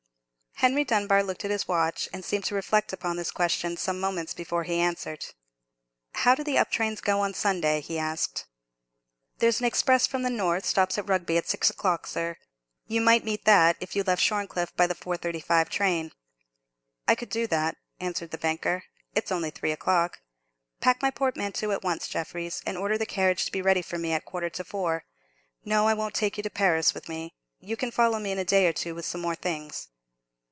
Henry Dunbar looked at his watch, and seemed to reflect upon this question some moments before he answered. "How do the up trains go on a Sunday?" he asked. "There's an express from the north stops at Rugby at six o'clock, sir. You might meet that, if you left Shorncliffe by the 4:35 train." "I could do that," answered the banker; "it's only three o'clock. Pack my portmanteau at once, Jeffreys, and order the carriage to be ready for me at a quarter to four. No, I won't take you to Paris with me. You can follow me in a day or two with some more things."